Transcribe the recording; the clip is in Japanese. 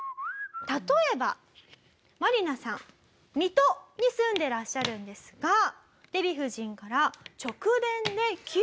例えばマリナさん水戸に住んでらっしゃるんですがデヴィ夫人から。